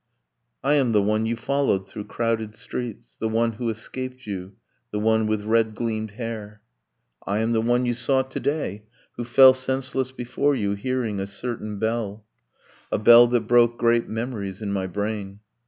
'I am the one you followed through crowded streets, The one who escaped you, the one with red gleamed hair.' 'I am the one you saw to day, who fell Senseless before you, hearing a certain bell: A bell that broke great memories in my brain.'